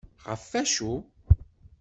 Ɣef acu?